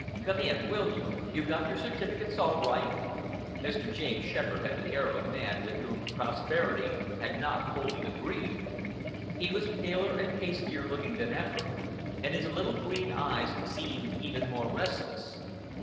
"Come in, will you? You've got your certificates all right?" Mr. James Shepherd had the air of a man with whom prosperity had not wholly agreed. He was paler and pastier looking than ever, and his little green eyes seemed even more restless.